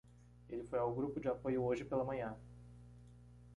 Ele foi ao grupo de apoio hoje pela manhã.